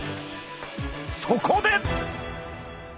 そこで！